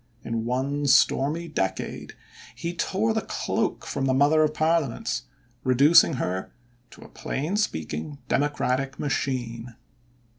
In one stormy decade he tore the cloak from the Mother of Parliaments, reducing her to a plain speaking democratic machine.